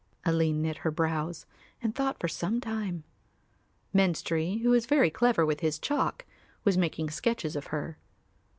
Aline knit her brows and thought for some time. Menstrie, who was very clever with his chalk, was making sketches of her.